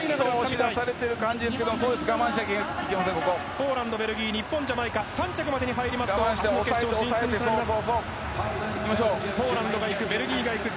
ポーランド、ベルギー日本、ジャマイカ３着までに入りますと明日の決勝進出になります。